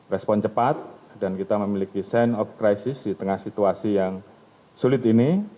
respon cepat dan kita memiliki sense of crisis di tengah situasi yang sulit ini